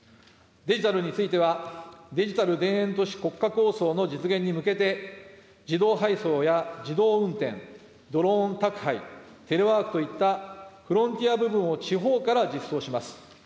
デジタルについては、デジタル田園都市国家構想の実現に向けて、自動配送や自動運転、ドローン宅配、テレワークといったフロンティア部分を地方から実装します。